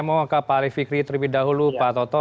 saya mau ke pak ali fikri terlebih dahulu pak toto